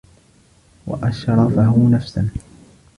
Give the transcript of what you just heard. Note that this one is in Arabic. وَأَشْرَفُهُ نَفْسًا